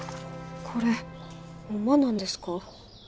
これホンマなんですか？